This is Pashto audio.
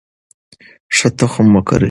ښه تخم وکرئ.